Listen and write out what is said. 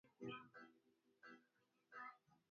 Ukimtumainiye Mungu akuna kile kita kupata